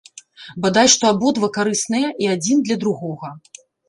Бадай што абодва карысныя і адзін для другога.